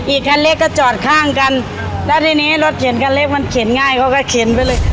คันเล็กก็จอดข้างกันแล้วทีนี้รถเข็นคันเล็กมันเข็นง่ายเขาก็เข็นไปเลย